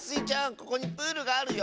ここにプールがあるよ。